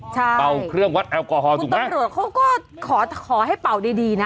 ใช่เป่าเครื่องวัดแอลกอฮอลถูกไหมตำรวจเขาก็ขอขอให้เป่าดีดีนะ